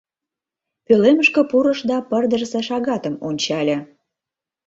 Пӧлемышке пурыш да пырдыжысе шагатым ончале.